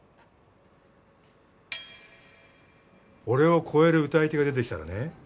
俺を超える歌い手が出てきたらね